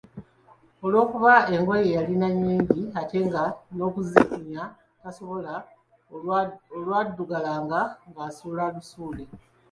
Olwokuba engoye yalina nnyingi ate nga n'okuzikunya tasobola olwaddugalanga nga asuula lusuule.